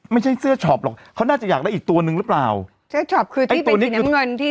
ไม่ใช่เสื้อช็อปหรอกเขาน่าจะอยากได้อีกตัวนึงหรือเปล่าเสื้อช็อปคือไอ้ตัวนี้น้ำเงินที่